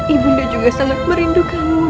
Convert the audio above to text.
ibunda juga sangat merindu kamu